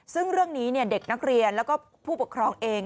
ซึ่งเรื่องนี้เด็กนักเรียนแล้วก็ผู้ปกครองเอง